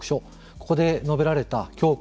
ここで述べられた教訓